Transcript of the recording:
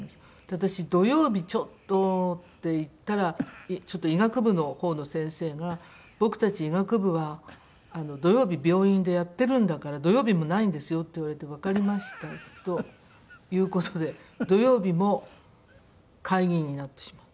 「私土曜日ちょっと」って言ったら医学部の方の先生が「僕たち医学部は土曜日病院でやってるんだから土曜日もないんですよ」って言われてわかりましたという事で土曜日も会議になってしまって。